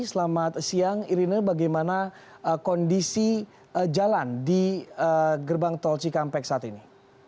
selamat siang irina bagaimana kondisi jalan di gerbang tol cikampek saat ini